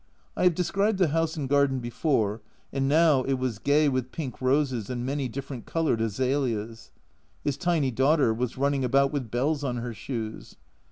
I have described the house and garden before, and now it was gay with pink roses and many different coloured azaleas. His tiny daughter was running about with "bells on her shoes."